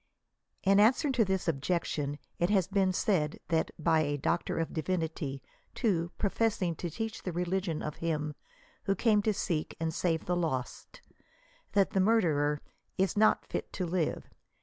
In answer to this objection it has |)een said, and by a Doctor of Divinity," too, professing to teach the religion of him who came to seek and save the lost, that the murderer *' is not fit to live."